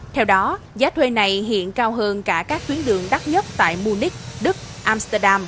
theo đó giá thuê này hiện cao hơn cả các tuyến đường đắt nhất tại munich đức amsterdam